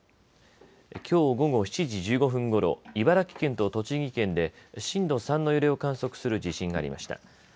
きょう午後７時１５分ごろ茨城県と栃木県で震度３の揺れを観測する地震がありました。